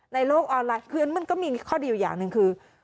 ในโลกออนไลน์คือมันก็มีข้อดีอยู่อย่างหนึ่งคือ